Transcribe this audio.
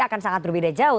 akan sangat berbeda jauh